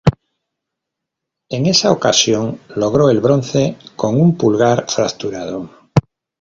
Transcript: En esa ocasión, logró el bronce con un pulgar fracturado.